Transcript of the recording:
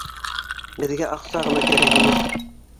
Беҙгә аҡса ғына кәрәк ине.